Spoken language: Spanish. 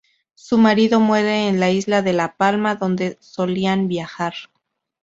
Su marido muere en la isla de La Palma, donde solían viajar.